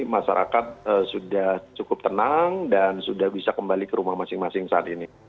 masyarakat sudah cukup tenang dan sudah bisa kembali ke rumah masing masing saat ini